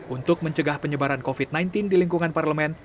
untuk mencegah penyebaran covid sembilan belas di lingkungan parlemen